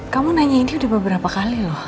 kamu nanya ini udah beberapa kali loh